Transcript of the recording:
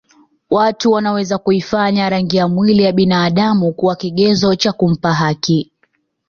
Watu wanaweza kuifanya rangi ya mwili ya binadamu kuwa kigezo cha kumpa haki